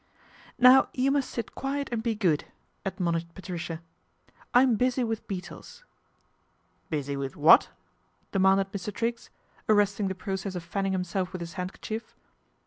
" Now you must sit quiet and be good," admonished Patricia. " I'm busy with beetles." " Busy with what ?" demanded Mr. Triggs arresting the process of fanning himself with his handkerchief.